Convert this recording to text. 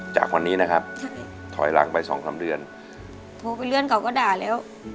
จากวันนี้นะครับถอยหลังไปสองสามเดือนโทรไปเลื่อนเขาก็ด่าแล้ว